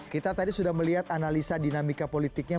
kita tadi sudah melihat analisa dinamika politiknya